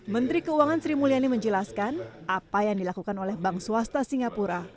menteri keuangan sri mulyani menjelaskan apa yang dilakukan oleh bank swasta singapura